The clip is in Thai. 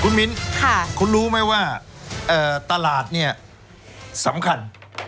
คุณมิ้นคุณรู้ไหมว่าตลาดเนี่ยสำคัญ